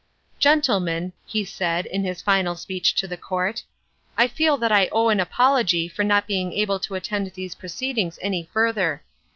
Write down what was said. "Gentlemen," he said, in his final speech to the court, "I feel that I owe an apology for not being able to attend these proceedings any further.